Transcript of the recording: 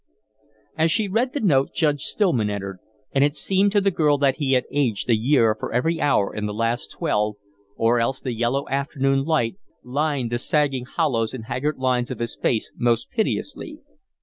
As she read the note, Judge Stillman entered, and it seemed to the girl that he had aged a year for every hour in the last twelve, or else the yellow afternoon light limned the sagging hollows and haggard lines of his face most pitilessly.